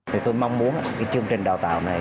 tôi mong muốn chương trình đào tạo này